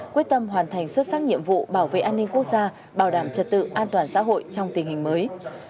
quyết tâm hoàn thành xuất sắc nhiệm vụ bảo vệ an ninh quốc gia bảo đảm trật tự an toàn xã hội trong tình hình mới